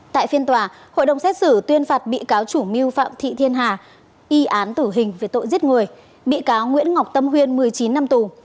tại phiên tòa hội đồng xét xử tuyên phạt bị cáo chủ mưu phạm thị thiên hà y án tử hình về tội giết người bị cáo nguyễn ngọc tâm huyên một mươi chín năm tù